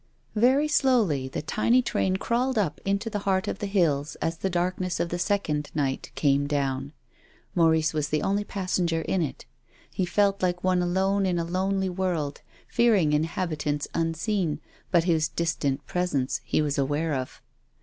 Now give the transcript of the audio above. Very slowly the tiny train crawled up into the heart of the hills as the darkness of the second night came down. Maurice was the only pas senger in it. He felt like one alone in a lonely world, fearing inhabitants unseen, but whose dis tant presence he was aware of.